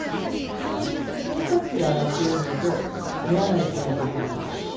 洗濯機で洗っていいものと手洗いしないといけないもの